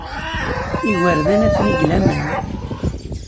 Igerdan atni deg laman.